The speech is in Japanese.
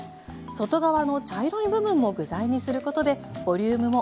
外側の茶色い部分も具材にすることでボリュームもコクもアップします。